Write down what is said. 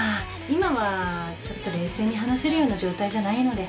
今はちょっと冷静に話せるような状態じゃないので。